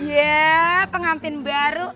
ya pengantin baru